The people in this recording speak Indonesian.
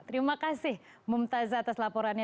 terima kasih mumtazah atas laporannya